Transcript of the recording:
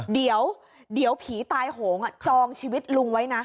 เดี๋ยวผีตายโหงจองชีวิตลุงไว้นะ